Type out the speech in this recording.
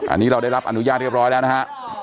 อันนี้เราได้รับอนุญาตเรียบร้อยแล้วนะฮะ